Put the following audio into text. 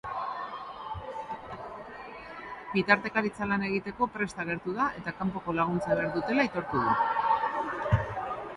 Bitartekaritza lana egiteko prest agertu da eta kanpoko laguntza behar dutela aitortu du.